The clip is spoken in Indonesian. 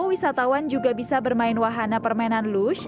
wisatawan juga bisa bermain wahana permainan loosh